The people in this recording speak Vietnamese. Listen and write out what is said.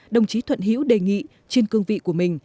đồng chí thuận hữu đề nghị trên cương vị của mình